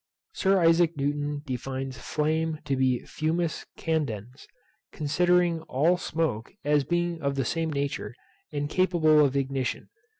Sir Isaac Newton defines flame to be fumus candens, considering all smoke as being of the same nature, and capable of ignition.